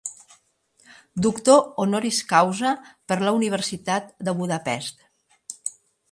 Doctor honoris causa per la Universitat de Budapest.